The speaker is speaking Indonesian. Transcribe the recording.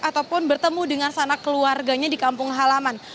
ataupun bertemu dengan sanak keluarganya di kampung halaman